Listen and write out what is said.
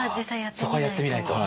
そこはやってみないと。